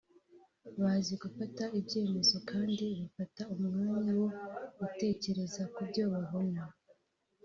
bazi gufata ibyemezo kandi bafata umwanya wo gutekereza kubyo babona